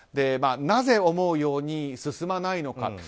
なぜ思うように進まないのか。